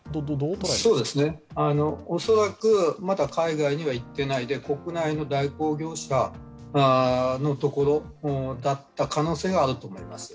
そうですね、恐らく、まだ海外には行ってないで、国内の代行業者だった可能性があると思います。